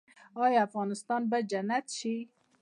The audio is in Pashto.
آیا افغانستان به جنت شي؟